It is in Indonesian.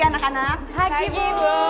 karin gak masuk lagi ya